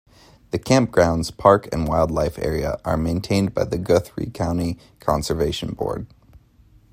The campgrounds, park, and wildlife area are maintained by the Guthrie County Conservation Board.